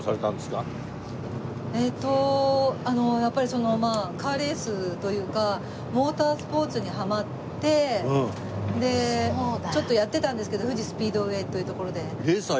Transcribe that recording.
やっぱりそのまあカーレースというかモータースポーツにハマってちょっとやってたんですけど富士スピードウェイという所で。